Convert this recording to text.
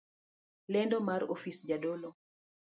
Lendo mar ofis jadolo